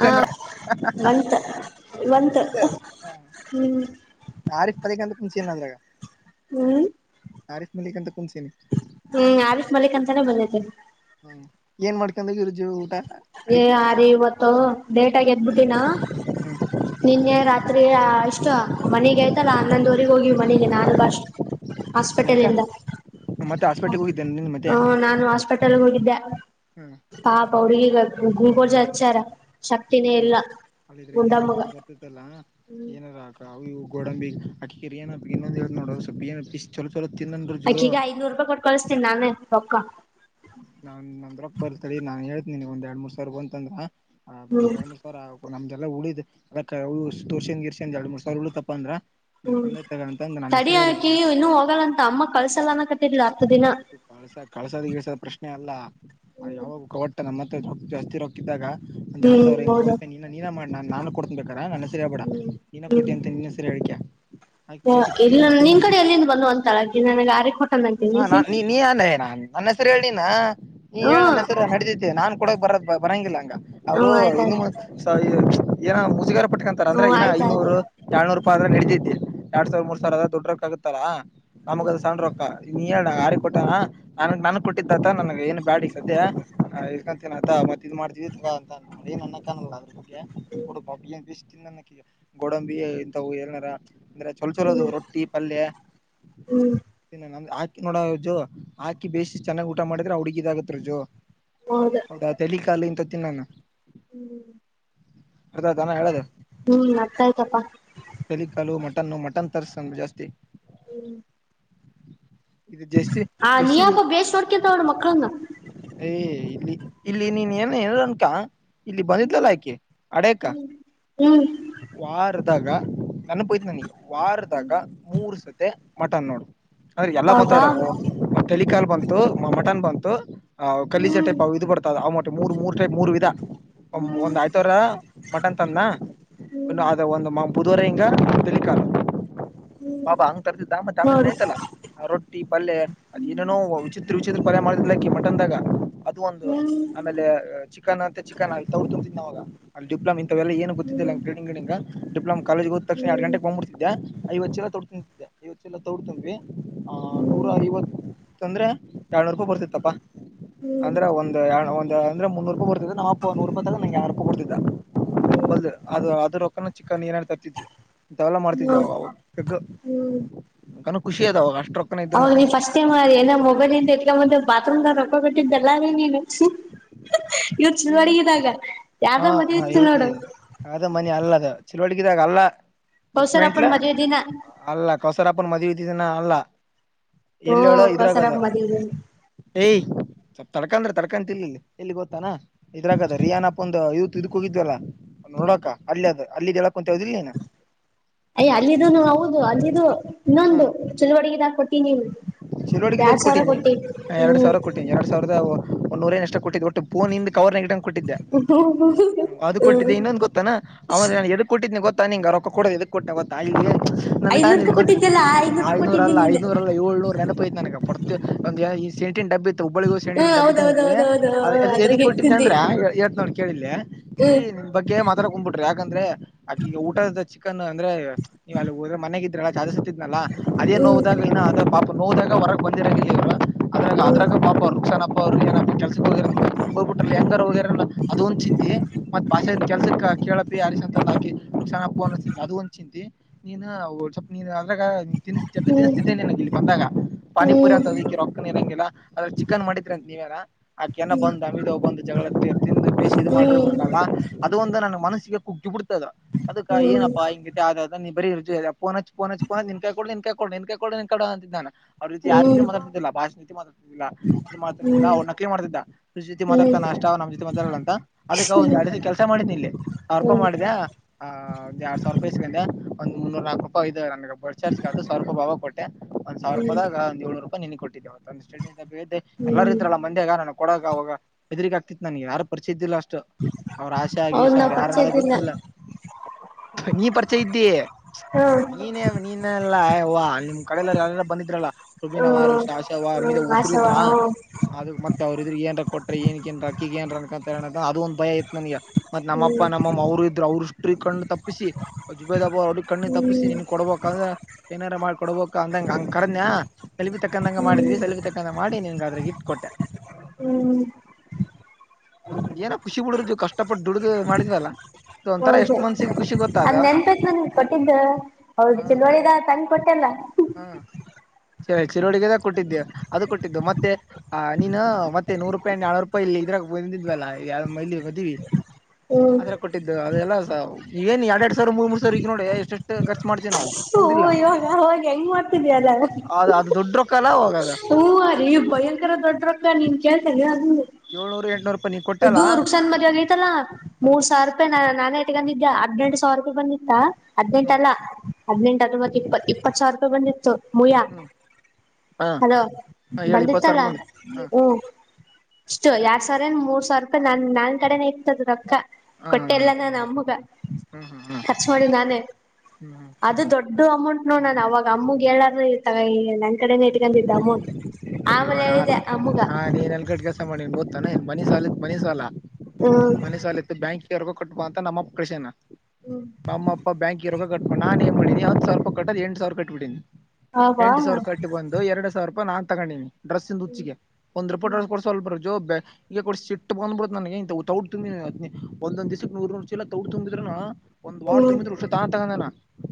ಚ ಬಂತ ಬಂತ ಇಷ್ಟೇ ಅ ಹ್ಮ್ ಹ ನಪ್ಪದಕ್ಕೆಂತ ಕುಂಚೆನ ಅದ್ರಾಗ ಹ್ಮ್ ಆರಿಫ್ ಮಲ್ಲಿಕ್ ಅಂತ ಕುಂಚನಿ ಹ್ಮ್ ಆರೀಷ್ ಮಲ್ಲಿಕ್ ಅಂತಾನೇ ಬಂದಿದ್ದೇರಿ ಹ್ಮ ಏನ್ ಮಾಡ್ಕೊಂಡ ಇರು್ೀವಿ ಊಟ ಏ ಅಡಗಿ ಆಾರಿೀ ಇವತ್ತು ಡೇಟಾಗಿ ಎದ್ಬಿಟ್ಟಿನ ಹ್ಮ್ ನಿನ್ನೆ ರಾತ್ರಿ ಇಷ್ಟು ಮನೆಗ್ ಆಯ್ತಲ್ಲ ಅನ್ನೊಂದಊರಿ ಹೋಗಿವಿ ಮನೆಗೆ ನಾನು ಬಾಷ್ಟ ಹ ಯಾಕ ಹಾಸ್ಪಿಟಲ್ಂದ ಮತ್ತೆ ಹಾಸ್ಪಿಟ್ಲ್ಗೆ ಹೋಗಿದ್ದೇನೆ ನಿನ್ ಮತ್ತೆ ನಾನು ಹಾಸ್ಪಿಟಲ್ ಹೋಗಿದ್ದೆ ಹ್ಮ್ ಕೌಡ ಗು ಕೊ ಜ ಅಚಾರ ಮುಜ್ಜು ಅಲ್ಲಿದ್ರ ಏನಾರ ದುಖ ಬರ್ತದಲ್ಲಾ ಹ್ಮ್ ಏನಾರಕ ಅ ಗೋಡಂಬಿ ಅಕಿರಿ ಏ ಇನ್ನೊಂದು ನೋೊಪ ಏ ಚಲ ಅಕೀಗ ಐದನೂರು ರೂಪಾಯಿ ಕೊಟ್ ಕಳಸ್ತೀನಿ ನಾನೆ ಪೊಕ್ಕ ನಾನ್ ನಂದ್ರಪ್ಪ ಬರ್ತಳಿ ನಾನ್ ಹೇಳ್ತೀನಿ ಒಂದ್ ಎರಡ್ ಮೂರ್ ಸಾವಿ ಬಂತಂದ್ರ ಹ ಹ್ಮ್ ವೇರ ನಮ್ದದೆಲ್ಲ ಉಳಿದ್ ಎಲ್ಲ ತೋರ್ಸನ್ ಗಿರ್ಸನ್ ಎರಡು ಮೂರ್ ಸಾವಿರ ಉಳು ತಪ್ಪ ಅಂದ್ರ ಇಲ್ಲಿ ಹ್ಮ್ ಬಂದೈತಗ ಅಂತಂದ ನನ್ನ ತಡಿ ಹೆಸರು ಹೇಳ್ಬೇಡ ಹಾಕಿ ಇನ್ನುೂ ಹೋಗಲ್ಲಂತ ಅಮ್ಮ ಕಳ್ಸಲ್ಲನ ಕಟ್ಟ ಕಳ್ಸ ಕಳ್ಸದ ಗಳ್ಸದ ಪ್ರಶ್ನೆ ಅಲ್ಲ ಅ ಹ್ಮ್ ಯಾವಾಗೂ ಕವಟ್ಟ ನಮ್ಮತ್ರ ಜಾಸ್ತಿ ರೊಕ್ತಿದ್ದಾಗ ಒಂದ ಎರಡ್ ಹೌದಾ ಸಾವಿರ ನೀ ಮಾಡ ನಾನು ಕೊಡ್ಬೇಕ ನ ಸರಿಯ ಬಡ ಹ್ಮ್ ನೀಿನ ಕೊಟ್ಟಿ ಅಂತ ನೀನ್ನ ಸರಿ ಹೇಳಳ್ಕ್ಯಾ ಎಲ್ಲಿ ನಿನ್ ಕಡೆ ಎಲ್ಲಿಂದ ಬಂದು ಅಂತಳ ನನಗೆ ಆಾರಿ ಕೊಟ್ಟ ನಂ ಹಾ ನಾನ್ ನೀ ನೀ ಅನ್ನನ ನನ್ನ ಹೆಸರು ಹೇಳಿನ ನೀ ಹೇಳಿ ನನ್ನ ಹೆಸರು ನಡದಿದ್ದೇನೆ ನಾನ್ ಕೂಡ ಬರದ ಬರಂಗಿಲ್ಲ ಹಂಗ ಹ್ಮ ಅವರು ಇನ್ನು ಆಯ್ತಾಯ್ತು ಏ ಮುಜುಗರ ಪಟ್ಕಂತಾರೆ ಹ್ಮ ಅಂದ್ರೆ ಇಏ ಆಯ್ತಾಯ್ತು ಐನೂರು ಏಳ್ನೂರುೂಪ ಅ ಆದ್ರೆ ನಡತಿದ್ದೆ ಎರಡ್ ಸಾವಿರ ಮೂರ್ ಸಾವಿರದ ದೊಡ್ಡಕ ಆಗುತ್ತತಾ ನಮಕ್ ಅದು ಸನ ರೋಕ್ಕಾ ನೀ ಏಡ ಅರಿ ಕೊೋಟ್ಟ ನನ್ಗ್ ನನ್ಗ್ ಕೊಟ್ಟಿದ್ದತ ನನ್ಗ ಏನು ಬ್ಯಾಡಿಿಗೆ ಸದ್ಯ ಇಕಂತೀನ ಆತಾ ಮತ್ತತ್ ಇ್ ಮಾಡ್ತೀವಿ ತುಾ ಅಂತ ಅ ನನ್ನ ಕಾಣಲ್ಲ ಅದ್ರ ಬಗ್ಗೆ ನೋಡು ಬಾಬ್ಬಿ ಅಂತಷ್ಟ ತಿ ಗೋಡಂಬಿ ಇಂತವುಏನಾರ ಅಂದ್ರೆ ಚಲ ಚಲೋದು ಹ್ಮ್ ರೊಟ್ಟಿ ಪಲ್ಯ ಹ್ಮ್ ಇನ್ನು ನ ಹಾಕಿ ನೋಡಜು ಹಾಕಿ ಬೇಿಸಿ ಚೆನ್ನ್ ಊಟ ಮಾಡಿದ್ರೆ ಹುಡ್ಗಿದ ಇದಾಗತ್ ರಜು ಹೌದು ಹೌದಾ ತಳಿಕಾಲು ಇಂತ ತಿನ್ನೋಾನ ಹ್ಮ್ ದನ ಹ್ಮ್ ಅರ್ತ ಆಯ್ತಪ್ಪಾ ತೇಲಿ ಕಾಲು ಮಟನ್ನು ಮಟನ್ ತರ್ಸ ಜಾಸ್ತಿ ಹ್ಮ್ ಇದು ಜಾಸ್ತಿ ಆ ಬೆಶ ನೀಯಪ್ಪ ಬೇಸ್ ನೋಡ್ಕಂತವಳ ಮಕ್ಕಳನ್ನ ಯ ಇಲ್ಲಿ ನೀನ್ ಏನ್ ಹೇಳನ್ಕ ಇಲ್ಲಿ ಬಂದಿದ್ಲಲ್ಲ ಆಾಕೆ ಅಡಕ ಹ್ಮ್ ಹ್ಮ್ ವಾರದಾಗ ನನ್ ಪೋಯ್ತು ನನಗ ವಾರದಾಗ ಮೂರ್ ಸತಿ ಮಟನ್ ನೋಡು ಅಂದ್ರೆ ಎಲ್ಲಾ ಹೌದಾ ಬಂತಾವ್ರ ತೆಳ ಕಾಲ್ ಬಂತು ಮಟನ್ ಬಂತು ಆ್ ಕಲಜ ಹ್ಮ್ ಟೈಪ್ ಇದು ಬತಾವ ಅವ ಮಟ್ಟೆ ಮೂರು ಮೂರ್ ಟೈಪ್ ಮೂರು ವಿಾ ಒ ಹ್ಮ್ ಒಂದ್ ಐತವರ ಮಟನ್ ತಂದ ಇನ್ನು ಹ್ಮ್ ಅದ ಒಂದ್ ಮಾ ಬುದುರೆಂಗ ತಿಳಿಕಾಲ. ಹ್ಮ ಬಾಬಾ ಹಂಗ್ ತರ್ದಿದ್ದಾಮ ಆಮೇಲೆ ನಯ್ತಲ್ಲ ಆ ರೊಟ್ಟಿ ಪಲ್ಯ ಅದಏನೇನೋ ವಿಚಿತ್ರ ವಿಚಿತ್ರ ಪಲ್ಯ ಮಾಡ್ [unintelligible] ಲಕ್ಕಿ ಮಟನ್ದಾಗ ಅದು ಒಂದು ಹ್ಮ್ ಆಮೇಲೆ ಚಿಕನ್ ಅಂತ ಚಿಕನ್ ಅಲ್ಲಿ ತೊತಂತಿನ್ನೊವಾಗ. ಅಲ್ಲಿ ಡಿಪ್ಲಮ ಇಂತವೆಲ್ಲ ಏನು ಗೊತ್ತಿಲ್ಲ ಹ್ಮ್ ಕ್ರಡಿಂಗ್ಂಗ ಡಿಪ್ಲೊ ಕಾಲೇಜಗ್ ಹೋದ್ ತಕ್ಷಣ ಎರಡು ಹ್ಮ್ ಗಂಟೆಗೆ ಬಂದ್ಬಿಡ್ತಿದ್ದೆ ಐವತ್ತು ಚೀಲ ತೌಡ್ ತುಂಬಿತಿದ್ದೆ ಐವತ್ತು ಚೀಲ ತೌಡ್ ತುಂಬಿ. ಆ ನೂರ ಹ್ಮ್ ಐವತ್ತ ಅಂದ್ರೆ ಎರಡ್ನೂರ್ ರೂಪಾಯಿ ಬರ್ತಿತ್ತಪ್ಪಾ. ಹ್ಮ್ ಅಂದ್ರೆ ಒಂದ್ ಯಾ ಒಂದು ಅಂದ್ರೆ ಮುನ್ನೂ ರೂಪಾಯಿ ಬರ್ತಿತ್ತು ನಮ್ಮಪ್ಪ ನೂರು ರೂಪಾಯಿ ತಗಂಡು ನಂಗೆ ಯರಡ್ ರೂಪಾಯಿ ಕೋಡ್ತಿದ್ದ. [unintelligible] ಹ್ಮ್ ಒದ ಅದು ಅದ್ರ ಏನ ನೀರನ್ನು ತರ್ತಿದ್ವಿ ಇಂಥವೆಲ್ಲ ಹ್ಮ್ ಮಾಡ್ತಿದ್ವಾಗವು ಪೆಗ್ಗು ಕನು ಖುಷಿ ಅದಾವಾ ಹೌದ ನೀನ್ ಫಸ್ಟ್ ಟೈಮ್ ಏನೊ ಮೊಬೈಲಯಿಂದ ಎಟ್ಲ ಮುಂದೆ ಬಾತ್ರೂಮ್ ವಕೋ ಬಿಟ್ಟಿದ್ದಲ್ಲ ರೀ ನೀನು. ಇವರು ಚುವಡಗಿದಾಗ. ಹಾ ನಾವ [unintelligible] ಅದ ಮನಿ ಅಲ್ಲದ ಚಳುವಳಗದಾಗಲ್ಲ. ಉಚ್ಮೆಂಟ್ಲ ಕೌಸರಪ್ಪನ್ ಮದ್ವೆ ದಿನ ಅಲ್ಲ ಕೋಸರಪ್ಪನ ಮದುವಿ ದಿನ ಅಲ್ಲ. ಹ್ಮ ಎಲ್ಲೇಳು ಇದ್ರಾಗದು ಕೌಸರಪ್ಪ ಮದ್ವೆ ದಿನ ಏಯ್. ತಡ್ಕಂದ್ರೆ ತಡ್ಕಂತಿರ್ಲಿಲ್ಲ ಇಲ್ಲಿ ಗೊತ್ತಾತನ ಇದ್ರಾಗ ರಿಯಾನ ಒ ಇತ್ತು ಇದಕ್ಕ ಹೋಗಿದ್ವಲ್ಲ ನೋಡಾಕ ಅಲ್ಲಿ ಅದು ಅ ಅಲ್ಲಿ ಹೇಳಕ್ ಕುಂತಿ ಯಾವ್ದ ಎನ. ಅಯ ಅಲ್ಲಿದುನು ಹೌದು ಅಲ್ಲಿದ್ದು ಇನ್ನೊಂದು ಚಳುವಡಿಗೆದ ಕೊಟ್ಟಿ ನೀನು. ಚಳುವಳಿಗಿದ ಎರಡ್ ಸಾವಿರ ಕೊಟ್ಟೀನಿ ಕೊಟ್ಟಿ ಎರಡ್ ಹ್ಮ್ ಸಾವಿರ ಕೊಟ್ಟೀನಿ ಎರಡ್ ಸಾವಿರದ. ಒಂದೂರ ಎಷ್ಟ ಕೊಟ್ಟಿದ್ದೆ ಒಟ್ಟು ಫೋನ್ ಇಂದ ಕವರಗ ಇಟ್ಕೊಂಡು ಕೊಟ್ಟಿದ್ದೆ. ಅದು ಹ್ಮ್ ಕೊಟ್ಟಿದ್ದೆ ಇನ್ನೊಂದ್ ಗೊತ್ತಾನ ಅವಾಗ ನಾ ಎದುಕ್ ಕೊಟ್ಟಿದ್ದನಿ ಗೊತ್ತ [unintelligible] ನಿ ಅ ರೊಕ್ಕ ಕೋಡದ ಎದಕ್ ಕೊಟ್ಟೆ ಗೊತ್ತಾ ನಿನಗೆ. ಐದನೂರು ರೂಪಾಯಿ ಕೊಟ್ಟಿದ್ದಲ್ಲಾ ಐನೂರ ಅಲ್ಲ ಐನೂರ ಅಲ್ಲ ಏಳ್ನೂರ ನೆನಪ ಐತೆ ನನಗ ಬಡ್ತೀ ಈ ಹಿಟ್ಟಿನ ಡಬ್ಬಿತ್ತು ಹುಬ್ಬಳ್ಳಿ ಗೊಗಿ ಹ್ಮ್ ಸಣ್ಣಿಂದು ಡಬ್ಬಿ ತಂದಿದ್ದೆ ಹೌದೌದೌದೌದು ಅದು ಅದ್ರಾಗ ಎದಿಕ್ ಕೊಟ್ಟಿದ್ದೆ ಇರ್ತಿದ್ದಿ ಅಂದ್ರೆ ಹೇಳ್ತಿನ್ ನೋಡ್ ಕೇಳಿಲ್ಲಿ. ಇಲ್ಲಿ ಹ್ಮ್ ನಿಮ್ ಬಗ್ಗೆ ಮಾತಾಡ್ಕೊಂಡ್ ಬಿಟ್ರು ಯಾಕಂದ್ರೆ. ಆಕಿಗೆ ಊಟದ ಚಿಕನ್ ಅಂದ್ರೆ ನೀವು ಅಲ್ಲಿ ಹೋದ್ರೆ ಮನೆಗೆ ಇದ್ರಲ್ಲ ತಾತ ಸತ್ತಿದ್ನಲ್ಲ ಅದೇ ನೋವುದಾಗ ಇನ್ನ ಅದ ಪಾಪ ನೋವದಾಗ ಹೊರಗೆ ಬಂದಿರಂಗಿಲ್ಲ ಇವರು. ಅದ್ರಾಗ ಅದ್ರಾಗ ಪಾಪ ಅವರು ನುಸಾನ್ ಅಪ್ಪ ಅವರು ಏನ ಕೆಸಕ್ಕೆ ಹೋಗಿ ಹೋಗ್ಬ ಬಿಟ್ರಲ್ಲ ಹೆಂಗಾರ ಹೋಗರೆನೋ [inaudible] ಮತ್ ಭಾಷ ಕೆಲ್ಸಕ್ಕೆ ಕೇಳಪಿ ಅರಿಶ ಅಂತ ಹಾಕಿ ನುಕ್ಸಾನ ಫೋನ್ ಹಚ್ಚಿದ್ದ ಅ ಅದು ಒಂದ್ ಚಿಂತಿ ನೀನು [unintelligible] [unintelligible] ನೀನು ಅದ್ರಾಗ. ತಿನ್ನಿಸ್ತಿದ್ದೆ ಜಬ್ಬಿ ಹ್ಮ್ ತಿನ್ನುತ್ತಿದ್ದೆ ಇಲ್ಲಿ ಬಂದಾಗ ಪಾನಿಪುರಿ ಹ್ಮ್ ಅಂತ ಈ ರೊಕ್ಕನ್ ಇರಂಗಿಲ್ಲ ಅದ ಚಿಕನ್ ಮಾಡಿದ್ರೆ ಅಂತ ನೀವ [unintelligible] ಆಕೆನ ಬಂದು ಅಂಗಡಿಗೆ ಹೋಗಿ ಬಂದು ಜಗಳರ್ ಬೇಸ್ ಇದು ಮಾಡಿ ಹೋಗಬಿಟನಲ್ಲ ಅದು ಒಂದು ನನ್ನ ಮಸ್ಸಿಗೆ ಕುಗ್ಗಿ ಬಿಡ್ [unintelligible] ಅದಕ್ಕ ಏನಪ್ಪಾ ಹಿಂಗತೆ ಆದ ನೀ ಬರೀ ಫೋನ್ ಹಚ್ ಫೋನ್ ಹಚ್ ಫೋನ್ ಹಚ್ಚಿ ನಿನ್ ಕಾಯ್ ಕೊಡು ನಿನ್ ಕಾಯ್ ಕೊಡು ನಿನ್ ಕೈ ಕೊಡು ಅಂತಿದ್ದಾನ ನಾನು. ಅವ್ರ ಜೊತೆ ಯಾರ ಜೊತೆ ಮಾತಾಡ್ತಿಲ್ಲ ಭಾಷತಿ ಮಾತಾಡ್ತಿರಲ್ಲಿಲ್ಲ ಅವ್ರರು ನ ಕಲಿ ಮಾಡತಿದ್ದ ರೀತಿ ಮಾತಾಡ್ತ ಷ್ಟ [unintelligible] [unintelligible] ಅ ಅದಕ್ಕೆ ಒಂದೆರಡು ಹೌದ್ ದಿನ ಕೆಲ್ಸ ಮಾಡಿದ್ ಇಲ್ಲಿ ಸಾವಿರ ರೂಪಾಯಿ ಮಾಡಿದ ಆ ಒಂದು ಎರಡ್ ಸಾವಿರ ರೂಪಾಯಿ ಇಸ್ಕಂಡೆ. ಒಂದು ಮುನ್ನೂರ್ ನಾಕ್ ರೂಪಾಯದೆ ನನ ಬಸ್ ಚಾರ್ಜ್ಗಗಾತು ಸಾವಿ ರೂಪಾಯ ಭಾವಗ್ ಕೊಟ್ಟ ಒಂದ ಸಾವಿರ ರೂಪಯದಾಗ ಒಂದ ಏಳ್ನೂರು [unintelligible] ನಿನ ಕೊಟ್ಟಿದ್ದೆ ಅವತ್ತು [unintelligible] ಎಲ್ಲಾರೂ ಇದ್ರಲ್ಲ ಮಂದ್ಯಾಗ ನನಗ್ ಕೊಡಕ್ಕ ಅವಾಗ ಎದರಿಕ ಆಗ್ತಿತ್ತು ನನಗ ಯಾರ ಪರಿಚಯ ಇದ್ದಿಲ್ಲ ಅಷ್ಟು ಅವರು ಆಶಾ ಗೀಶ ನಾವ್ ಅವ್ರು ಪರಿಚಯ ಯಾರನ್ನದ ಇದ್ದಿಲ್ಲ ಗೊತ್ತಿಲ್ಲ. ನೀ ಪರಿಚಯ ಇದ್ದಿ ನೀನೇ ನೀನ ಅಲ್ಲ ಅವ್ವ. ಕಡಲ್ಲರ ಯಾರರೊ ಬಂದಿದ್ರಲ್ಲ ರುಬಿನವ ಆಶವ್ವ ಅಮೀದ ವಾಸವ ಉಸುರಿದ್ರ ಅದು ಮತ್ತೆ ಅವ್ರ ಇದ್ರ ಏನ್ರ ಕೊಟ್ರ ಏನ್ ಏನ್ ಅಕ್ಕಿ ಏನ್ಂತಾರೆ ಅದು ಒಂದು ಭಯಿತ್ ನನ್ಗೆ. ಮತ್ ನಮ್ಮಪ್ಪ ನಮ್ಮಮ್ಮ ಅವರು ಇದ್ರು ಅವ್ರರು ಇಷ್ಟ್ರೀ ಕಣ್ ತಪ್ಪಿಸಿ ಅಜಬಬೆದ [unintelligible] ಅಡು ಕಣ್ಣ ತಪ್ಪಿಸಿ ನೀನ್ ಕೊಡ್ಬೇಕಂದ್ರೆ. ಏನಾರ ಮಾಡ ಕೊಡ್ಬೇಕ ಅಂದಂಗ ಹಂಗ ಕರದ್ನ ಸೆಲಿಬಿ ತೆಕ್ಕಂಡಂಗ ಮಾಡಿದ್ವಿ ಹೌದು ಸಲ್ಬಿ ತಕ್ಕಂದ ಮಾಡಿ ನಿನ್ಗೆ ಅದ್ರಲಿ ಇಟ್ ಕೊಟ್ಟೆ. ಹ್ಮ್ ಏನೋ ಖುಷಿಪಾಡ್ರಿ ಏನೋ ಕಷ್ಟಪಟ್ಟ ದುಡ್ದ ಮಾಡಿದ್ವಲ್ಲ ಒಂಥರ ಹೌದ ಎಷ್ಟ್ ಮನ್ಸಿಗೆ ಖುಷಿ ಗೊತ್ತಾದ ಅದ್ ನೆನ್ಪೈತ್ ನನ್ ಕೊಟ್ಟಿದ್ದು ಹೌದು ಚಿರೋಡಿಗೆ ತಂದು ಕೊಟ್ಟೆಲ್ಲ ಹಾ ಚಿರೋಡಿಗೆಡೆ ಕೊಟ್ಟಿದ್ದೆ ಅದು ಕೊಟ್ಟಿದ್ದು ಮತ್ತೆ ನೀನು ಮತ್ತೆ ನೂರು ರೂಪಾಯಿ ನಾನೂರು ರೂಪಾಯಿ ಇ ಇದ್ರಾಗ ಬಂದಿದ್ವಲ್ಲ ಎರಡು ಮೈಲಿ ಬದಿ ಹ್ಮ್ ಆತ್ರ ಕೊಟ್ಟಿದ್ದು ಅದೆಲ್ಲ ಏನ್ ಎರಡ್ ಎರಡು ಸಾವಿರ ಮೂರ್ ಮೂರ್ ಸಾವಿರ ಈಗ ನೋಡಿ ಎಷ್ಟಷ್ಟು ಓ ಇವಾಗ ಅವಾಗ ಹೆಂಗ್ ಮಾಡ್ತಿದಯಲ್ಲ ಅದ ಅದು ದೊಡ್ಡ ರೊಕ್ಕ ಅಲ್ಲ ಅವಾಗ ಅದ ಹೂ ರಿ ಭಯಂಕರ ದೊಡ್ಡ ರೊಕ್ಕ ನೀನ್ ಕೇಳ್ದಲ್ಲ ಅದು ಏಳ್ನೂರು ಎಂಟನೂರು ಇದು ರುಕ್ಷಾನ್ ಮರಾಗ ಐತಲ್ಲಾ ಮೂರ್ ಸಾವಿರ ರೂಪಾಯಿ ನಾನೆ ಇಟ್ಟುಕೊಂಡಿದೆ ಹದಿನೈದು ಸಾವಿರ ರೂಪಾಯಿ ಬಂದಿತ್ತ ಹದ್ನೆಂಟ ಹ್ಮ್ ಅಲ್ಲ ಹದ್ನೆೆಂಟ ಹಾತೊಂಬತ್ತು ಇಪತ್ ಇಪತ್ತು ಸಾವಿರ ರೂಪಾಯಿ ಬಂದಿತ್ತು ಮುಯ್ಯ ಹ್ಮ್ ಹ್ಮ್ ಹಾ ಹಲೋ ಹಾ ಹೇಳಿ ಇಪ್ಪತ್ತು ಸಾವಿರ ಬಂದಿತ್ತಲ ರೂಪಾಯಿ ಹಾ ಹ್ಮ ಅಷ್ಟು ಯಾರ್ ಸಾವಿರ ಮೂರ್ ಸಾವಿರ ರೂಪಾಯಿ ನನ್ ನನ್ ಕಡೆನೆ ಇರ್ತದ್ದು ರೊಕ್ಕ ಹಾ ಹಾ ಕೊಟ್ಟೆಲ್ಲ ನಾನ ಅಮ್ಮಗ ಹ್ಮ್ ಹ್ಮ್ ಹ್ಮ್ ಖರ್ಚು ಮಾಡಿ ನಾನೇ ಹ್ಮ್ ಹ್ಮ್ ಅದು ದೊಡ್ಡ ದೊಡ್ಡು ಅಮೌಂಟ್ ನೋಡ ನನ್ ಅವಾಗ ಅಮ್ಮಗೆ ಹೇಳದ್ದೇ ಇರ್ತಾಗ ಕಡೆನ ಇಟ್ಕೊಂಡಿದ್ದ ಅಮೌಂಟ್ ಅಯ್ಯೋ ಆಮೇಲೆ ನಾನ್ ಹೇಳಿದೆ ಅಮ್ಮುಗ ಮನೆ ಸಾಲ ಮನೆ ಸಾಲ ಮನೆ ಸಾಲ ಇತ್ತು ಬ್ಯಾಂಕ್ವರ್ಗೂ ಕಟ್ಬ ಅಂತ ನಮ್ಮ ಅಪ್ಪ ಕಳಿಸನ್ನ ಹ್ಮ್ ನಮ್ಮ ಅಪ್ಪ ಬ್ಯಾಂಕ್ ಇರೋಗ ಕಟ್ಬಿ ನಾನ್ ನ್ ಮಾಡೀನಿ ಹತ್ತು ಸಾವಿರ ರೂಪಾಯ ಕಟ್ಟದ ಎಂಟ ಸಾವಿರ ಕಟ್ಬಿಡಿನಿ ಹವಾ ಎರಡ್ ಸಾವಿರ ರೂಪಾಯ ನಾ ತೊಂಡಿನನ ಡ್ರೆಸಿಂದು ಹುಚ್ಚಿಗೆ ಒಂದ್ ರಿಪೋಟ್ ಕಳಿಸವರೇ ಈಗ ಸಿಟ್ಟ ಬಂದ್ಬಿಡ ನನಗೆ ತೌಡ್ ತುಂಬಿನಿ ಒಂದೊಂದ ದಿವಸಕೆ ನೂರು ನೂರು ಚೀಲ ತೌಡ್ ತುಂಬಿದ್ರುನು ಒಂದು ವಾರಡ್ ಹ್ಮ್ ತುಂಬಿದ್ರು ತಂನಕೊದ್ನಾನ್ನ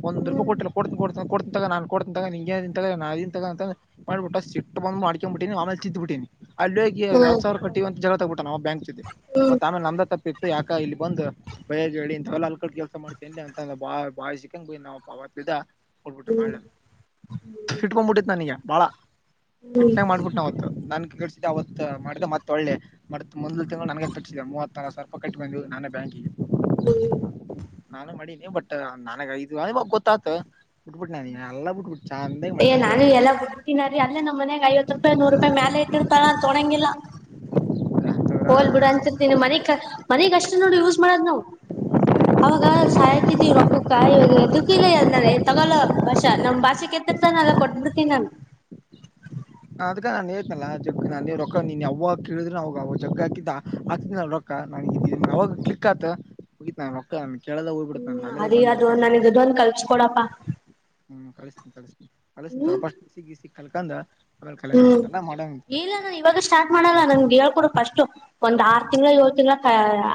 ಒಂದು ರೂಪಾಯ ಹ್ಮ್ ಕೊಟ್ಟಇಲ್ಲ ಕೋಡ್ ಕೊಡ್ತೀನಿ ನಾನ್ ಕೊಡ್ತಿನಿ ತಕೊ ನಿನಗೆ ಯಾಕೆ ಈಗ ತಕ ಆಗ ತಕ ಮಾಡಿಬಿಟ್ಟ ಸಿಟ್ಟು ಬಂದು ಮಾಡಕೊಂಡ್ ಬಿಟ್ಟಿನಿ ಆಮೇಲೆ ತಿದ್ದ್ ಬಿಟ್ಟಿನಿ ಅಲ್ಲಿ ಹೋಗಿ ಹ್ಮ್ ಹತ್ ಸಾವಿರ ಕಟ್ಟಿ ಅಂತ ಜಗಳ ತಗೆದುಬಿಟ್ಟನ ಬ್ಯಾಂಕ್ ಜತೆ ಹ್ಮ್ ಮತ್ತೆ ಆಮಲೆ ನಮ್ದ ತಪ್ಪಿತ್ತು ಯಾಕ ಇಲ್ಲಿ ಬಂದಂದು ಬೈಯರ್ ಹೇಳಿ ಇಂತವಲ್ಲ ಅಲ್ಕಡೆ ಕೆಲ್ಸ ಮಾಡ್ತೀನೆಲೆ ಅಂತ ಬಾ ಬಾಯ್ ಸಿಕಂಗ್ ಬೈದ ನಮ್ಮ ಅಪ್ಪ ಅವತಿಂದ ಕೊಡ್ಬಿಟ್ಟೆ ಮಾಡ್ಲ ಸಿಟ್ಟುಬದುಬಿಟ್ಟಿತು ನನಗೆ ಬಾಳ ಹ್ಮ್ ಸಿಟ್ನಾಗ ಮಾಡ್ಬಿಟ್ಟೆ ಅವತ್ತು ಅವತ್ ಮಾಡಿದ ಮತ್ತೆ ಒಳ್ಳೆ ಮರೆತು ಮುಂದ್ ತಿಂಗಳು ನನಗೆ ಕಟ್ಟಸಿದ ಮ ಮೂವತ್ ಸಾವಿ ರೂಪಾಯಿ ಕಟ್ಟ ಬಂದ್ವು ನನ್ನ ಬ್ಯಾಂಕಿಗೆ ನಾನು ಮಾಡಿ ಬಟ್ ನನಾಗ ಈಗ ಗೊತ್ತಾತು ಬಿಟ್ಬಿಟ್ಟನ ಎಲ್ಲ ಬಿಟ್ಬಿಟ್ಟ ಚಂದೇ ಮಕನ್ ತೋಡ್ಬ ಅಲ್ಲೇ ಬಿಡ್ತಾನ್ರಿ ಅಲ್ಲೇ ನಮ್ಮ ಮನೆಗೆ ಐವತ್ತು ರೂಪಾಯಿ ನೂರು ರೂಪಾಯಿ ಮೇಲೆ ಇಟ್ಟಿರ್ತಾಳ ತೊಣಂಗಿಲ್ಲ ಹೋಲ್ ಬಿಡ ಅಂತಿರ್ತೀನಿ ಮನಗ್ ಮನಗ್ ಅಷ್ಟು ನೋಡು ಯೂಸ್ ಮಾಡದ್ ನಾವು [inaudible] ಅವಾಗ ಸಾಯತಿದ್ವಿ ರೊಕ್ಕಕ್ಕ ಇವಾಗ ಎದುಕ್ಕು ಇಲ್ಲ ತಗೊಲ್ಲ ಭಾ ನಮ್ಮ್ ಭಾಷೆಕ ಕೊಡ್ತಿದನಲ್ಲ ಕೊಟ್ಟುಬಿಡ್ತೀನಿ ನಾನು ಅದ್ ನಾನ್ ಹೇಳ್ತನಲ್ಲ ಜಗ್ಗ ನಾನ ರೊಕ್ಕ ನೀನ್ ಯಾವಾಗ ಕೇಳಿದ್ರ ನ ಅವಾಗ ಜಗ್ಗ ಹಾಕಿದ್ದ ಹಾಕಿತಿನಿನಲ್ಲ ರೊಕ್ಕ ಅವಾಗ ಕ್ಲಿಕ್ ಆತ ಮುಗಿತು ನನ್ನ ಮಕ್ಕಳ ಹ್ಮ್ ಅದ ಅದು ನನಗೆ ಇದು ಒಂದು ಕಳ್ಸಿಕೊಡಪ್ಪ ಹ್ಮ್ ಕಳಿಸ್ತನಿ ತಡಿ ಕಳಿಸ್ತೀನಿ ತಕೋಲ್ಲ ಕಳ್ಕೊಂಡು ಹ್ಮ್ ಇಲ್ಲ ನಾನು ಇವಾಗ ಸ್ಟಾರ್ಟ್ ಮಾಡಲ್ಲ ನನ್ಗೆ ಹೇಳ್ಕೊಡು ಫ್ರಿಸ್ಟ್ ಒಂದ್ ಆರು ತಿಂಗಳು ಏಳು ತಿಂಗಳು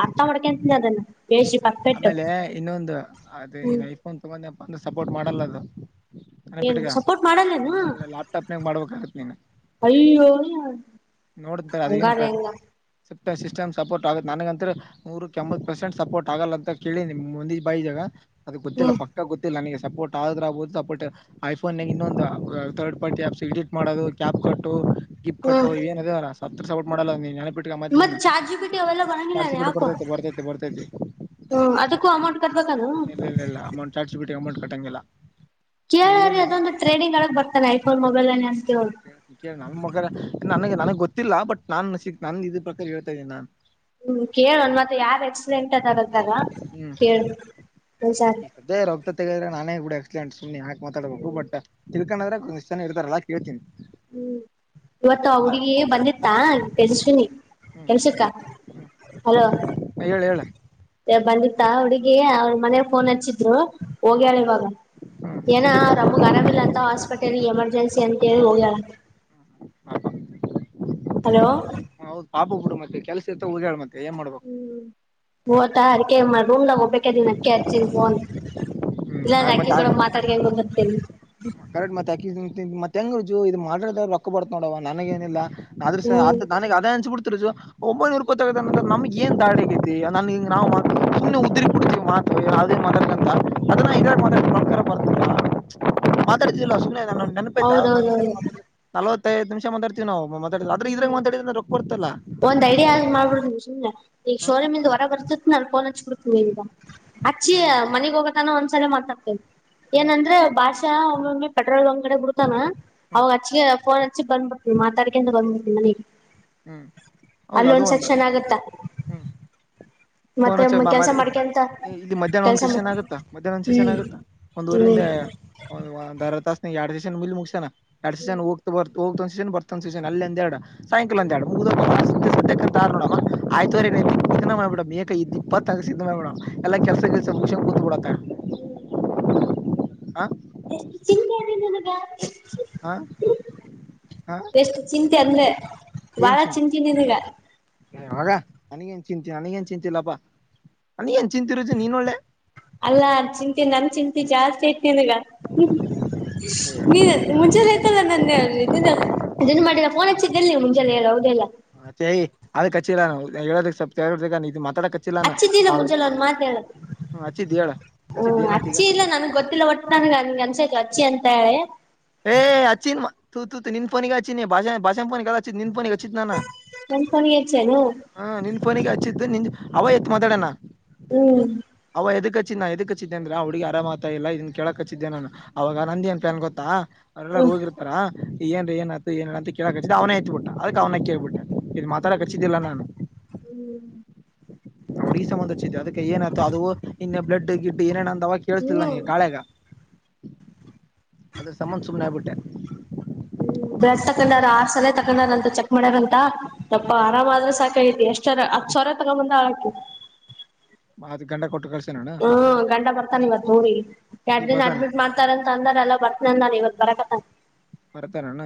ಅರ್ಥ ಮಾಡ್ಕಂತನಿ ಅದನ್ನ ಹ್ಮ್ ಬೇಸಿ ಪರ್ಫೆಕ್ಟ್ ಆಮೇಲೆ ಇನ್ನೊಂದು ಅದು ಹ್ಮ್. ನೀನ್ ಐಫೋನ್ ತಕೊಂದ್ಯಾಪ್ಪ ಅಂದ್ರೆ ಸಪೋರ್ಟ್ ಮಾಡಲ್ಲ ಅದು ಏನ್ ನೆನಪಿಟ್ಟಗ ಸಪೋರ್ಟ್ ಆ ಮಾಡಲ್ಲೇನು. ಲ್ಯಾಪ್ಟಾಪ್ನಾಗ ಮಾಡ್ಬೇಕಾಗತ್ ನೀನ್ ಅಯ್ಯೋ ನೋಡ್ತಾರೆ ಅದೇನು ಹಂಗಾರ ಹೆಂಗ ಸಿಸ್ಟಮ್ ಸಪೋರ್ಟ್ ಆಗುತ್ತೆ ನನಗಂತ್ರೆ ನೂರಕ್ಕೆ ಎಂಬತ್ತು ಪರ್ಸೆಂಟ್ ಸಪೋರ್ಟ್ ಆಗಲ್ಲ ಅಂತ ಕೇಳಿದಿನಿ ಮೊನ್ನೆ ಬಂದಿದಾಗ ಅದು ಗೊತ್ತಿಲ್ಲ ಹ್ಮ್ ಪಕ್ಕ ಗೊತ್ತಿಲ್ಲ ನನಗೆ ಸಪೋರ್ಟ್ ಆದ್ರ ಆಗ್ಬಹದು ಸಪೋರ್ಟ್ ಐಫೋನ್ ನಾಗ ಇನ್ನೊಂದು ತಥರ್ಡ್ ಪಾರ್ಟಿ ಆಪ್ಸ್ ಎಡಿಟ್ ಮಾಡೋದು ಕ್ಯಾಪ್ ಕಟ್ಟು ಗಿಪ್ ಕೊಟ್ಟು ಹ್ಮ್ ಏನಿದೆಯಲ್ಲ ಸತ್ರು ಸಪೋರ್ಟ್ ಮಾಡಲ್ಲ ನೆನಪಿ ಮತ್ ಚಾರ್ಜಿ ಬಿಟ್ಟಿ ಅವೆಲ್ಲ ಬರಂಗಿಲ್ಲ ಚಾರ್ಸಿೀ ಯಾಕೋ ಬರ್ತ ಬರ್ತೈ ಬರ್ತತಿ ಹ್ಮ್ ಅದಕ್ಕೂ ಹ ಅಮೌಂಟ್ ಕಟ್ಬೇಕಾನ ಇಲ್ಲ ಇಲ್ಲ ಇಲ್ಲ ಅ ಬಿ ಮಟ್ ಕಟ್ಟಂಗಿಲ್ಲ ಕೇಳ್ರ ಏನಿದ ಅದಂದು ಟ್ರೇಡಿಂಗ್ಳಗ್ ಬತಾರೆ ಐಫೋನ್ ಮೊಬೈಲ್ ಅ ಅ ಕೇಳ ನನ್ ಮಗ ನನಗೆ ನನಗ್ ಗೊತ್ತಿಲ್ಲ ಬಟ್ ನಾನನ್ ಸಿ ನ ಇದ ಪ್ರಕಾರ ಹೇಳ್ತಾ ಇದನಿ ನಾನ್ ಹ್ಮ್ ಕೇಳಣ ಮತ್ತೆ ಯಾರ್ ಎಕ್ಸಿಡೆಂಟ್ ಅದಾಗಂತಾರ ಹ್ಮ್ ಕೇಳ ಸರಿ ಈ ಸದ್ಯ ರೋಗತ ತೆಗಿದ್ರ ನಾನೇ ಸುಮ್ಮನೆ ಹಾಕ್ತಾಡ್ಬೇಕು ಬಟ್ ತಿಕೊಂಡಂದ್ರೆ ಒಷ್ಟ್ನ ಇತಾರಲ್ಲ ಕೇತೀನಿ ಹ್ಮ್ ಇವತ್ತು ಹುಡುಗ ಬಂದಿತ್ತಾ ತೇಜಸ್ವಿನಿ ಹ್ಮ್ ಕೆಲ್ಸಕ್ಕ ಹಲೋ ಹ್ಮ್ ಹೇಳ ಹೇಳ ಬಂದಿತ್ತಾ ಹುಡುಗಿ ಅವ್ರ ಹ್ಮ್ ಮನೆಗ್ ಫೋನ್ ಹಚ್ಚಿದ್ರು ಹೋಗ್ಯಳ ಇವಾಗ ಹ್ಮ್ ಏನ ಎದಕ್ಕ ಅವ್ರಮ್ಮಗ್ ಆರಾಮಿಲ್ಲ ಅಂತ ಹಾಸ್ಪಿಟಲ್ ಎಮರ್ಜೆನ್ಸಿ ಅಂತೇಳಿ ಹೋಗ್ಯಲ್ಲ ಹಲೋ ಹೌದ್ ಪಾಪ ಬಿಡು ಮತ್ತೆ ಕೆಲ್ಸ ಇತ್ತ ಉದಾ ಮತ್ತೆ ಏನ್ ಮಾಡ್ಬೇಕು ರೂಮ್ಾಗ ಹೋಗ್ಬೇಕದನ್ ಅಕ್ಕಿ ಹಚ್ಚಿದ ಫೋನ್ ಇಲ್ಲಾಂದ ಹ್ಮ್ ಅಕ್ಕಿ ಮತ್ತೆ ಕೂಡ ಮಾತಾಡ್ಕಂಗ ಗೊ್ ಹರ್ತಿ ಕರೆಕ್ಟ್ ಮತ್ತೆ ಅ ಮತ್ತತ್ ಹೆಂಗಜು ಇದ್ ಮಾತಾಡಿದ್ ರೊಕ್ಕ ಬಡತ ನೋಡವ ನನಗ ಏನಿಲ್ಲ ಹ್ಮ್ ಅದೇ ನಂಗೆ ಅಂಸ್ಬುತ್ತ ಒಬೈನೂರು ಗೊತ್ತಾಗ ನಮ್ ಏನ್ ದಾಡಿ ಆಐೈತಿ ನ ನಾವು ನಿ ಉದ್ರ ಕೊಡ್ತೇವಿ ಯಾವವುದೇ ಮಾಡ ಅಂತ ಅದನ್ನ ಇದಕಾರ ಬರ್ತರಾ ಮಾತಾಡಿದಿಲ್ಲ ಸುಮ್ಮನೆ ನೆನಪಾಯತ ನಂದ್ ಹೌದೌದೌದು ಸಲ ಮಾತಾ ನವತ್ತೈದು ನಿಮಿಷ ಮಾತಾಡ್ತತಿವಿ ನಾವು ಆದ್ರೆ ಇದ್ರಾಗ ಒಡ್ರ ರೊಕ್ ಬರ್ತಲ್ಲ ಒಂದು ಐಡಿಯಾ ಆ ಮಾಡಬಡ್ದ್ ಈಗ ಹ್ಮ್ ಶೋರೂಮ್ಲ್ ಹೊರ ಬರ್ತತ್ ನ ಫೋನ್ ಹಚ್ಕ ಗ ಅಚ್ಚಿ ಮನೆಗ್ ಹೋಗತಾನ ಒಂದ್ಸರಿ ಮಾತಾಡ್ತೇನೆ ಹ್ಮ್ ಹ್ಮ್ ಏನಂದ್ರೆ ಬಾಷ ಪೇಟ್ರೋಲ್ ಬಂಕ್ ಲಿ ಬುಡತ ಹ್ಮ್ ಅವ್ ಅಚ್ಚಿಗೆ ಬಂದ್ಬಿಟ್ಟವಿ ಮಾತಾಡಕಂತ ಬಂದಬಿಟ್ಟ ನನಗೆ ಹ್ಮ್ ಹೌದ ಅದು ಒಂದು ಆಗತ್ತ ಹ್ಮ್ ಫೋನ್ ಮತ್ತೆ ಹಚ್ಚ ಕೆಲ್ಸ ಮಾಮಿ ಮಾಡ್ಕೆಂತ ಇಲ್ಲಿ ಮಧ್ಯಾಹ್ನ ಒಂದ್ ಸೆಷನ್ ಆಗತ್ತಾ ಮಧ್ಯಾಹ್ನ ಒಂದ್ ಸೆಷನ್ ಹ್ಮ್ ಆಗತ್ತಾ ಒಂದ್ ಊರಿಂದ ಹ್ಮ್ ಅರ ತಾಸ ನೀ ಎರಡ್ಷನ ಮಲ್ ಮುಗಸಾನ ಎಡ್ಷನ ಹೋಗ್ತ ಬತ ಹೋಗ್ತ ಒಂದ ಸೀಷನ್ ಬರ್ತ ಒ ಸೀಷನ್ ಅಲ್ಲಿ ಅಂದರಡ ಸಾಯಂಕಾಲ ಅಂತರಡದ ಸ ಸ ಕತಾರೋಣವ ಆಯ್ತವಾರರೆ ಮಾಡ್ ಬಿಡ ಮ ಇಪ್ಪತ್ತ ಸಿದ್ಧ ಮಾಡ್ಬಿ ಎಲ್ಲ ಕೆಲ್ಸ ಗಿಲ್ಸ ಮುಗಿಸ್ಕಂಡ್ ಕುತ್ಬುಡಕ ಎಷ್ಟು ಚಿಂತೆದ ನಿಂಗ ಹಾ ಎಷ್ಟು ಚಿಂತೆ ಅಂದ್ರೆ ಬಹಳ ಚಿಂತಿ ಚಿಂತೆ ನಿಂಗೆ ವಾಗ ನನಗ ನ್ ಚಿಂತ ನನಗ ಏನ್ ಚಿಂತಿಲ್ಲಪ್ಪಾ ನನ್ಗ ನ್ ಚಿಂತಿರುತ್ತೆ ನೀನ್ ಒಳ್ಳೆ ಅಲ್ಲಾ ಚಿಂತೆ ನನ್ ಚಿಂತೆ ಜಾಸ್ತಿ ನಿನಗ ನೀ ಏನಿಲ್ಲ ಮುಂಚೆ ಐತಲ್ಲ ನನ್ನೇ ಅ ಇದನ್ ಮಾಡಿಲ್ಲ ಫೋನ್ ಹಚ್ಚಿದ್ದೆಲ್ಲಿ ಮುಂಜಾನೆ ಹೌದೆಲ್ಲ ಹೇ ಅದ ಕಚ್ಚಿಲ್ಲ ನಾನ್ ಹೇಳೋದ ಸ್ವಲ್ಪ ಮಾತಾಡಕ್ ಹಚ್ಚಿಲ್ಲ ನಾ ಹಚ್ಚಿದ್ದಿಲ್ಲ ಅವ್ಡಿ ಮುಂಜೆಲ್ಲ ಒಂದ್ ಮಾತ್ ಹೇಳದು ಹ್ಮ ಹಚ್ಚಿದ್ ಹೇಳ ಹಚ್ಚಿದ್ ಹ್ಮ್ ಏನತ್ ಈಗ ಅಚ್ಚಿ ಇಲ್ಲ ನನ್ಗ್ ಗೊತ್ತಿಲ್ಲ ಒಟ್ಟು ನನ್ಗೆ ನನ್ಗೆ ಅನ್ಸಾಯತು ಅಚ್ಚಿ ಅಂತ ಹೇಳಿ ಏ ಅಚ್ಚಿನ್ ತ ತೂ ನಿನ್ಫೋನಿಗೆಗ ಅಚ್ಚಿನ್ ಭಾಷಾ ಭ ಫೋನ್ನಲ್ಲ ನಿನ್ ಪೋನಿಗೆ ಹಚ್ಚಿತ್ತು ನಾನ ನನ್ ಫೋನಿಗೆ ಹಚ್ಚೇನು ಹ ನಿನ್ ಫನಿಗೆ ಹಚ್ಚಿದ್ದ ನಿ ಅವ ಎತ್ ಮಾತಾಡಣ ಹ್ಮ್ ಎದಕ್ಕಚ್ಚಿದ ನಾ ಎದಕ ಹಚ್ಚಿದ್ದೆ ಅ್ರ ಹುಡುಗಿರಾಮತ ಇ ಇದನ್ ಕೇಳಕ್ ಹಚ್ಚಿದ್ದೆ ನಾನ ಅವಾಗ ನಂದೇನ್ ಪ್ಲಾನ್ ಗೊತ್ತ ಅವ್ರೆಲ್ಲ ರ ಹೋಗಿರ್ತಾರ ಏನ್ ಏನ್ ಅತ್ ಏನ್ ಅಂತ ಕೇಳಕಕ್ಸತ ಅವನೇ ಹತ್ಬ ಬಿಟ್ಟ ಅದಕ್ ಅವನ ಕೇಳ್ಬಿಟ್ಟ [inaudible] ಇದು ಮಾತಾಡಕಚ್ಚಿದ್ದಿಲ್ಲ ನಾನು [inaudible] ಈಸ ಮುಂದಚ್ಚಿದ ಅದಕ್ಕೆ ಏನಾಯ್ತು ಅದು ಇನ್ನೆ [inaudible] ಬ್ಲಡ್ ಗಿಟ್ಟ ಏನೇನ ಅಂತವಾಗ ಕೇಳಿಸ್ತಿಲ್ಲ ಹ್ಮ್ ನಿಗೆ ಕಾಳೆಗ ಅ ಸಮನ್ ಸುಮ್ಮನೆ ಆಗಿಬಿಟ್ಟೆ ಹ್ಮ್ ಬ್ಲಡ್ ತಕೊಂಡಾರ ಆರ್ ಸಲ ತಕೊಂಡಾರಂತ ಚೆಕ್ ಮಾಡ್ಯಾರಂತ ತಪ್ಪ ಹ್ಮ್ ಆರಾಮ ಆದ್ರೆ ಸಾಕತಿ ಎಷ್ಟಾರ ಹತ್ತು ಸಾವಿರತಗೊಂಬಂದ ಆಾಕ ಅದು ಗಂಡ ಕೊಟ್ಟು ಕಳ್ಸನಣ್ಣ ಹ್ಮ್ ಗಂಂಡ ಬರ್ತಾನ ಇವತ್ ನೋಡಿ ಎಡ್ ಈಗ ದಿನ ಬರ್ತಾನ ಅಡ್ಮಿಟ್ ಮಾಡ್ತಾರಂತ ಅಂದ್ರ ಎಲ್ಲ ಬರ್ತನ ಅಂದಾರ ಇವತ್ [inaudible] ಬರ ಕತ ನ ಬರ್ತಾರ ಅಣ್ಣ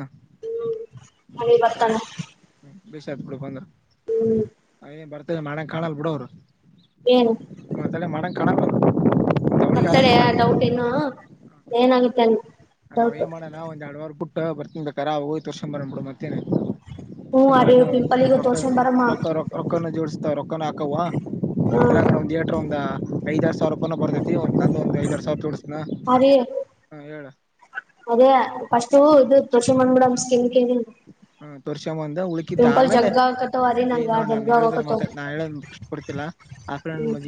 ಮಳಿ ಹ್ಮ ಸರಿ ಬರ್ತಾನ ಹ್ಮ ಬಷ ಹತ್ ಬಿಡ್ಬೇಕು ಅಂದ್ರ ಹ್ಮ್ ಯನ್ ಬರ್ತನ ಮಾಡ್ಯಂಗ ಕಾಣಲ್ ಬಿಡೋರು ಏನು ತೇ ಮಡ ಕಾಣ ಬ [unintelligible] ಕತ್ತಡ ಡೌಟ್ ನ್ನು ಏನಾಗುತ್ತೆ ಅ [unintelligible] ನಾವ ೇನ್ ಮಾಡೋಣ ಒಂದ್ ಎಡ್ ವಾರ ಬ ಬಿಟ್ಟ ಬರ್ತನ್ ಬಾರೆ ಅವೋಗ್ ತರ್ಸೊಂಡ ಬಂದ್ ಬಿಡ ಮತ್ತೆ [unintelligible] ಹ್ಮ ಅರಿ ರ ಪಿಂಪಲ್ಗ ತೋರ್ಸೊಂಡ್ ಬರಮ್ಮ ರೊಕ್ಕ ರೊಕ್ಕ ಜೋಡ [unintelligible] ರೊಕ್ಕ ಹಾಕ್ ಹ್ಮ ಇದ್ರ ಒಂದೇ್ರ ಒಂದ್ ಐದಾರ್ ಸಾವಿರ ರೂಪಾಯ ಬರ್ತೈತಿ ಒಂದ ನಂದಂದು ಒಂದ್ ಐದರ್ ಸಾವಿರ ತೋಡ್ಸನಾ ಅರಿ ಹ ಹೇಳ [unintelligible] ಅದೇ ಫಸ್ು ಇದು ತೋಷ ಮಾಡ್ಬಿಡಮ ಸ್ಕಿಮ್ ಕ [inaudible] ಂದ ಉಳಕಿದ್ದ ಆಮೇಲೆ [unintelligible] ಆಕತ್ತವ ಅರಿ ಏ ನಂಗ ನೋಡ ನಮ್ ಜಗ್ಗ ಹೇಳಿದ್ರ ಮಾ ಆಗಕತ್ತವ ನಾ ಹೇಳಷ್ಟ ಕೊಡ್ತಿಲ್ಲ ಆ ಹ್ಮ್ ಜೀವಿನ [unintelligible]